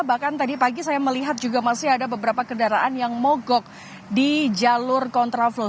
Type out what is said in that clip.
bahkan tadi pagi saya melihat juga masih ada beberapa kendaraan yang mogok di jalur kontraflow